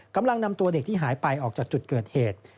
กำลังนำตัวเด็กที่หายไปออกจากจุดเกิดเหตุ